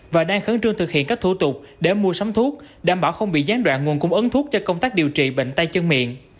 và đang khẩn trương thực hiện các thủ tục để mua sắm thuốc đảm bảo không bị gián đoạn nguồn cung ấn thuốc cho công tác điều trị bệnh tay chân miệng